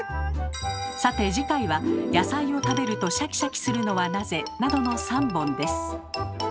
さて次回は「野菜を食べるとシャキシャキするのはなぜ」などの３本です。